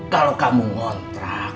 kalau kamu ngontrak